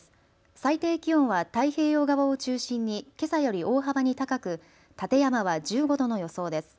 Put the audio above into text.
最低気温は太平洋側を中心にけさより大幅に高く館山は１５度の予想です。